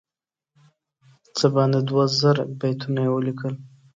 څه باندې دوه زره بیتونه یې ولیکل.